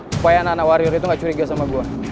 supaya anak anak warrior itu gak curiga sama gue